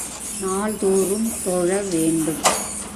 நாள்தோறும் தொழ வேண்டும்.